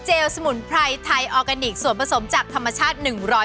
สมุนไพรไทยออร์แกนิคส่วนผสมจากธรรมชาติ๑๐